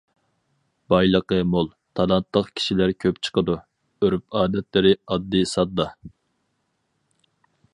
بايلىقى مول، تالانتلىق كىشىلەر كۆپ چىقىدۇ، ئۆرپ-ئادەتلىرى ئاددىي ساددا.